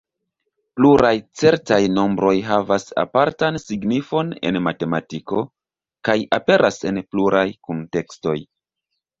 Pluraj certaj nombroj havas apartan signifon en matematiko, kaj aperas en pluraj kuntekstoj.